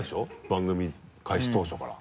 番組開始当初から。